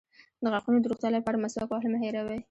د غاښونو د روغتیا لپاره مسواک وهل مه هیروئ